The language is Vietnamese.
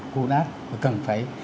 cũ nát và cần phải